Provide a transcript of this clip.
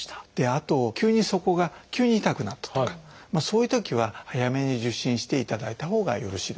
あと急にそこが急に痛くなったとかそういうときは早めに受診していただいたほうがよろしいですね。